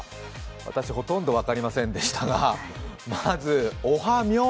私、ほとんど分かりませんでしたがまず、おはみぉー